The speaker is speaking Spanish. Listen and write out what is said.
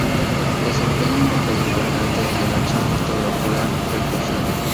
Desempeña un papel importante en el axón motor ocular precursor.